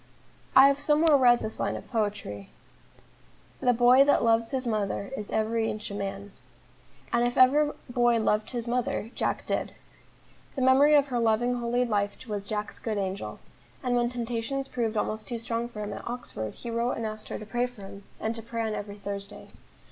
I have somewhere read this line of poetry: "The boy that loves his mother Is every inch a man," and if ever boy loved his mother, Jack did. The memory of her loving, holy life was Jack's good angel; and when temptations proved almost too strong for him at Oxford, he wrote and asked her to pray for him, and to pray on every Thursday.